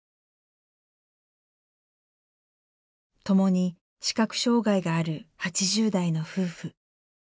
ともに視覚障害がある８０代の夫婦。